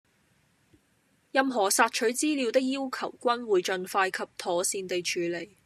任何索取資料的要求均會盡快及妥善地處理